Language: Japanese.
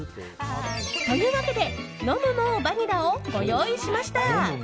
というわけで飲むＭＯＷバニラをご用意しました。